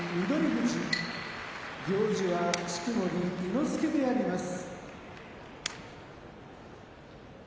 富士行司は式守伊之助であります。